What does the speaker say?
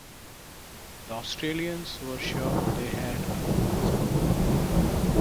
The Australians were sure they had a fast boat.